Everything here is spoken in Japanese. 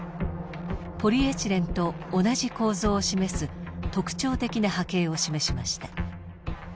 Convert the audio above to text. ポリエチレンと同じ構造を示す特徴的な波形を示しました。